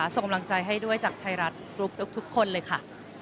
ส่งกำลังใจให้ด้วยจากไทยรัฐกรุ๊ปทุกคนเลยค่ะ